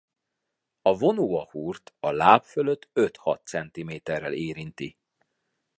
A vonó a húrt a láb fölött öt–hat centiméterrel érinti.